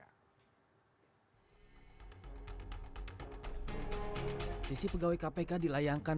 petisi pegawai kpk dilayangkan